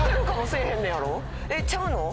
えっちゃうの？